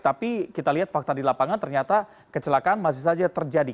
tapi kita lihat fakta di lapangan ternyata kecelakaan masih saja terjadi